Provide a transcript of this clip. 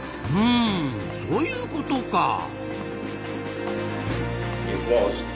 ふんそういうことか。